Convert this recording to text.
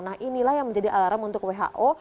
nah inilah yang menjadi alarm untuk who